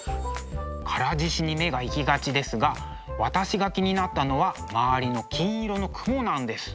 唐獅子に目が行きがちですが私が気になったのは周りの金色の雲なんです。